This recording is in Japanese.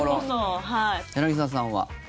柳澤さんは？